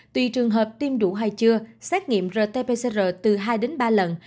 tuy trường hợp tiêm đủ hay chưa xét nghiệm rt pcr từ hai đến ba lần